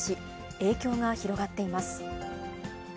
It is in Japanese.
影響が広がっています。